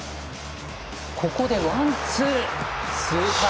ここでワンツー。